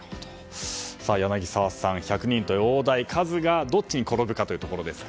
柳澤さん、１００人という大台数がどっちに転ぶかというところですが。